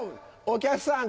お客さん